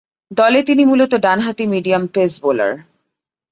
দলে তিনি মূলতঃ ডানহাতি মিডিয়াম পেস বোলার।